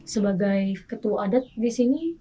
sebagai ketua adat di sini